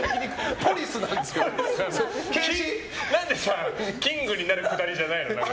何でキングになる下りじゃないの？